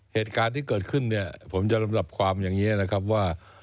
เหตุการณ์ที่เกิดขึ้นเนี่ยผมจะลำดับความอย่างนี้นะครับว่า